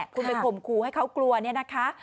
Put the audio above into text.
คุณไปข่มขู่ให้เขากลัวเนี่ยนะคะ